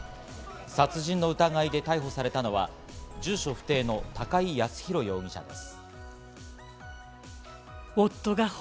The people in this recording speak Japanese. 殺人の疑いで逮捕されたのは住所不定の高井靖弘容疑者です。